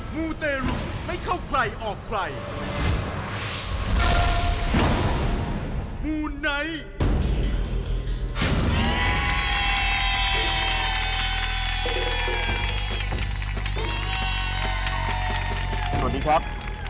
สวัสดีครับ